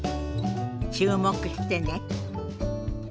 注目してね。